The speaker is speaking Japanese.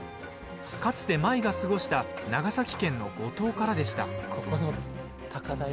かつて舞が過ごした長崎県の五島からでした。